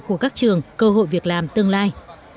của các trường cơ hội việc làm tương lai